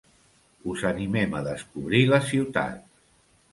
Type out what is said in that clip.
Us animem a descobrir la ciutat!